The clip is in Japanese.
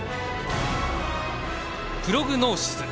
プログノーシス。